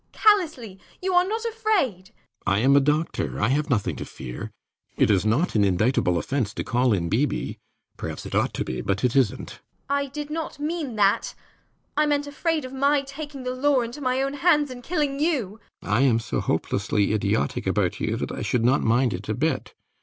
callously! You are not afraid! RIDGEON. I am a doctor: I have nothing to fear. It is not an indictable offense to call in B. B. Perhaps it ought to be; but it isnt. JENNIFER. I did not mean that. I meant afraid of my taking the law into my own hands, and killing you. RIDGEON. I am so hopelessly idiotic about you that I should not mind it a bit.